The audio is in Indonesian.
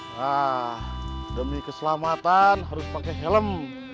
nah demi keselamatan harus pakai helm